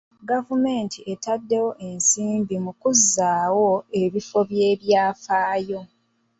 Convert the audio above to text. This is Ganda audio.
Gavumenti etaddewo ensimbi mu kuzzaawo ebifo by'ebyafaayo.